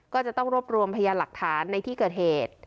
ก็จะต้องรวบรวมพยานหลักฐานในที่เกิดเหตุ